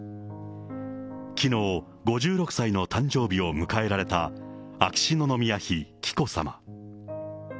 きのう、５６歳の誕生日を迎えられた秋篠宮妃紀子さま。